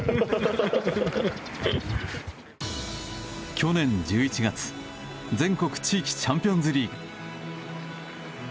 去年１１月全国地域チャンピオンズリーグ。